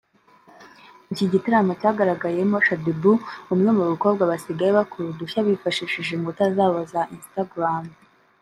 Iki gitaramo cyagaragayemo Shadyboo umwe mu bakobwa basigaye bakora udushya bifashishije inkuta zabo za Instagram